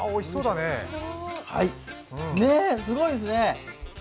すごいですね。